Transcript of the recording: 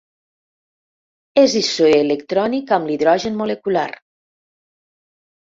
És isoelectrònic amb l'hidrogen molecular.